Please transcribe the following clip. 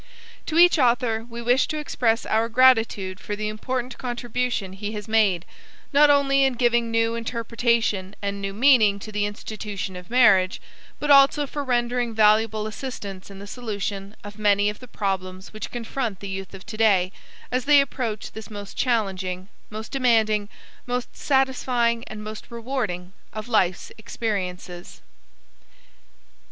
To each author we wish to express our gratitude for the important contribution he has made, not only in giving new interpretation and new meaning to the institution of marriage, but also for rendering valuable assistance in the solution of many of the problems which confront the Youth of today as they approach this most challenging, most demanding, most satisfying and most rewarding of Life's experiences.